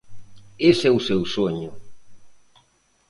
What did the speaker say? Ese é o seu soño.